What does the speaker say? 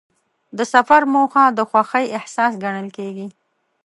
د سفر موخه د خوښۍ احساس ګڼل کېږي.